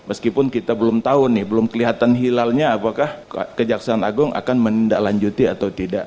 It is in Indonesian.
meskipun kita belum tahu nih belum kelihatan hilalnya apakah kejaksaan agung akan menindaklanjuti atau tidak